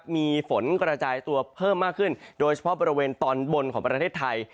มีฝนกระจายตัวเพิ่มมากขึ้นโดยเฉพาะบริเวณตอนบนของประเทศไทย